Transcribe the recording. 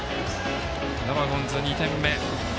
ドラゴンズ、２点目。